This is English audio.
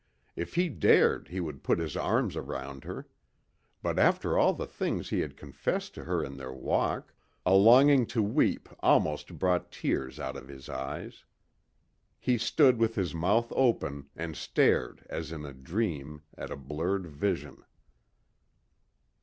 If he dared he would put his arms around her. But after all the things he had confessed to her in their walk.... A longing to weep almost brought tears out of his eyes. He stood with his mouth open and stared as in a dream at a blurred vision.